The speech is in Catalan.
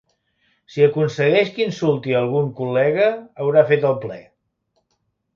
Si aconsegueix que insulti a algun col·lega haurà fet el ple.